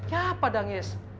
ya apa dang yes